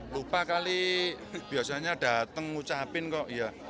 lupa kali biasanya datang ngucapin kok iya